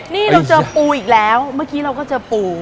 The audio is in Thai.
นี่เราเจอปูอีกแล้วเมื่อกี้เราก็เจอปู